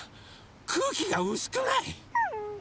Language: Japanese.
くうきがうすくない？